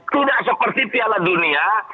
tidak seperti piala dunia